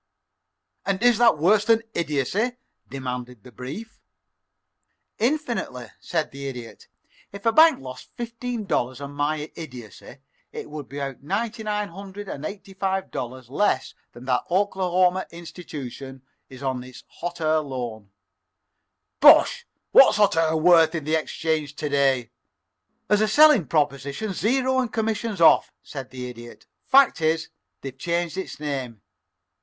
"And is that worse than Idiocy?" demanded Mr. Brief. "Infinitely," said the Idiot. "If a bank lost fifteen dollars on my idiocy it would be out ninety nine hundred and eighty five dollars less than that Oklahoma institution is on its hot air loan." "Bosh! What's Hot Air worth on the Exchange to day?" "As a selling proposition, zero and commissions off," said the Idiot. "Fact is, they've changed its name.